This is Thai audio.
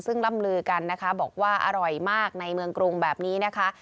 ซึ่งล่ำลือกันนะคะบอกว่าอร่อยมากในเมืองกรุงแบบนี้นะคะ